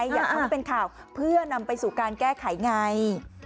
อยากให้เป็นข่าวเพื่อนำไปสู่การแก้ไขไง